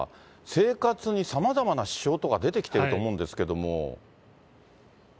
生活にさまざまな支障とか出てきてると思うんですけれども。